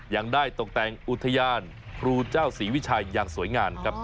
ยังได้ตกแต่งอุทยานครูเจ้าศรีวิชัยอย่างสวยงามครับ